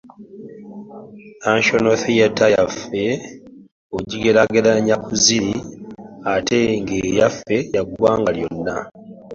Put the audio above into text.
National theatre yaffe bw’ogigeraageranya ku ziri, ate ng’eyaffe ya ggwanga lyonna.